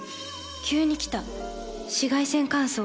急に来た紫外線乾燥。